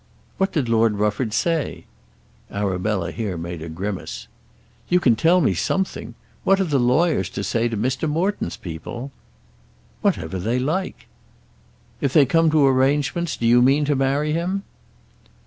"What did Lord Rufford say?" Arabella here made a grimace. "You can tell me something. What are the lawyers to say to Mr. Morton's people?" "Whatever they like." "If they come to arrangements do you mean to marry him?"